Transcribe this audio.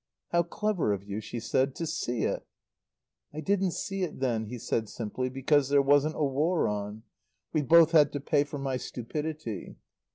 "How clever of you," she said, "to see it!" "I didn't see it then," he said simply, "because there wasn't a war on. We've both had to pay for my stupidity."